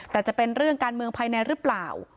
แต่จะเป็นเรื่องการเมืองภายในหรือเปล่า